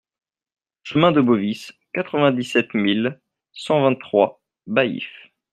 Chemin de Bovis, quatre-vingt-dix-sept mille cent vingt-trois Baillif